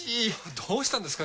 どうしたんですか？